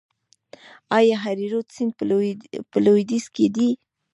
آیا هریرود سیند په لویدیځ کې دی؟